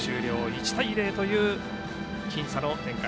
１対０という僅差の展開。